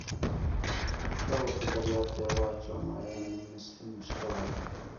ښه وکړه درياب ته یې واچوه، ماهيان يې هم نسي نوش کولای.